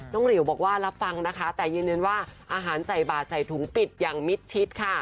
น้องหลิวบอกว่ารับฟังแต่ยืนยืนว่าอาหารใส่บาดใส่ถุงปิดมิดทิศ